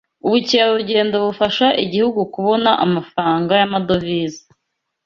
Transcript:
ubukerarugendo bufasha igihugu kubona amafaranga y’amadovize